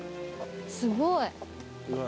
すごい。